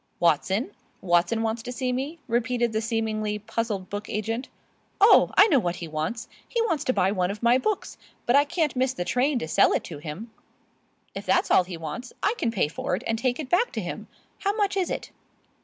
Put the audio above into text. "Watson? Watson wants to see me?" repeated the seemingly puzzled book agent. "Oh, I know what he wants: he wants to buy one of my books; but I can't miss the train to sell it to him." "If that is all he wants, I can pay for it and take it back to him. How much is it?"